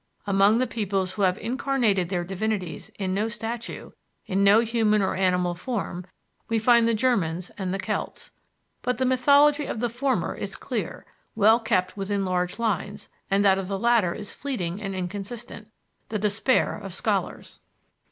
Among the peoples who have incarnated their divinities in no statue, in no human or animal form, we find the Germans and the Celts. But the mythology of the former is clear, well kept within large lines; that of the latter is fleeting and inconsistent the despair of scholars.